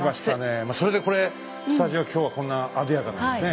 まあそれでこれスタジオ今日はこんなにあでやかなんですね。